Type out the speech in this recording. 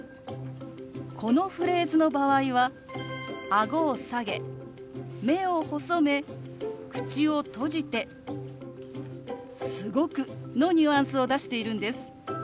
このフレーズの場合はあごを下げ目を細め口を閉じて「すごく」のニュアンスを出しているんです。